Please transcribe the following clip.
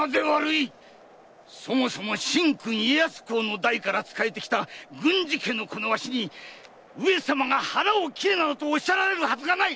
そもそも神君家康公の代から仕えてきた郡司家のこのわしに上様が腹を切れなどとおっしゃられるはずがない！